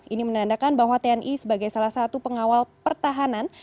ini menandakan bahwa tni sebagai salah satu pengawal pertahanan